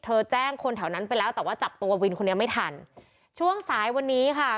แจ้งคนแถวนั้นไปแล้วแต่ว่าจับตัววินคนนี้ไม่ทันช่วงสายวันนี้ค่ะ